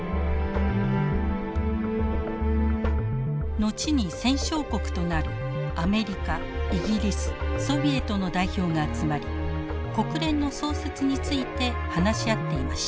後に戦勝国となるアメリカイギリスソビエトの代表が集まり国連の創設について話し合っていました。